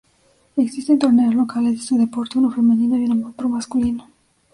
Existen torneos locales de este deporte, uno femenino y otro masculino.